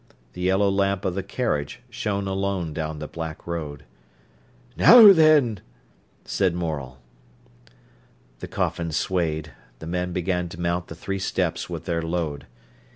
The yellow lamp of the carriage shone alone down the black road. "Now then!" said Morel. The coffin swayed, the men began to mount the three steps with their load.